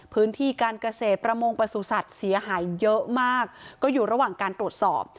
พื้นที่การเกษตรประมงประสุทธิ์เสียหายเยอะมากก็อยู่ระหว่างการตรวจสอบ